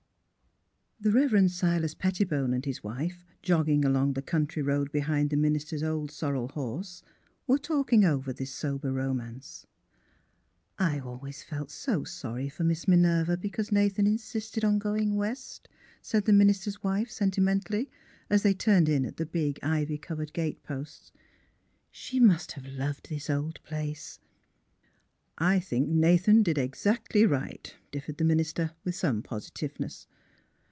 The Rev. Silas Pettibone and hi^ wife, jogging along the country road behind the minister's old sorrel horse, were talking over this sober romance. " I always felt so sorry for Miss Minerva be cause Nathan insisted on going West," said the minister's wife, sentimentally, as they turned in at the big ivy covered gate posts. ^' She must have loved this old place." ^' I think Nathan did exactly right," differed the minister, with some positiveness.